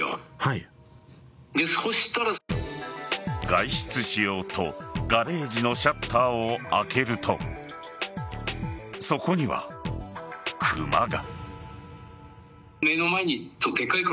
外出しようとガレージのシャッターを開けるとそこにはクマが。